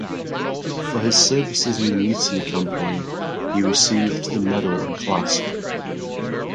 For his services in the Mutiny campaign he received the medal and clasp.